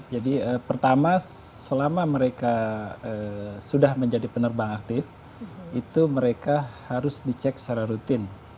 jadi pertama selama mereka sudah menjadi penerbang aktif itu mereka harus dicek secara rutin